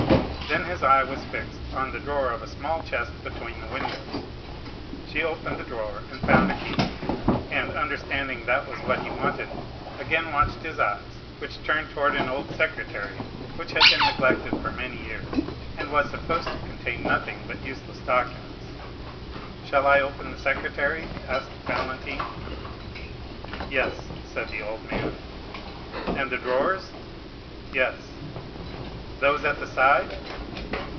Then his eye was fixed on the drawer of a small chest between the windows. She opened the drawer, and found a key; and, understanding that was what he wanted, again watched his eyes, which turned toward an old secretaire which had been neglected for many years and was supposed to contain nothing but useless documents. "Shall I open the secretaire?" asked Valentine. "Yes," said the old man. "And the drawers?" "Yes." "Those at the side?"